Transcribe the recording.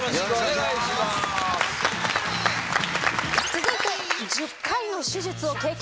続いて１０回の手術を経験。